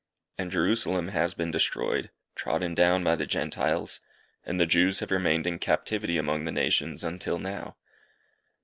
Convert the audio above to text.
And Jerusalem has been destroyed, trodden down by the Gentiles, and the Jews have remained in captivity among the nations until now.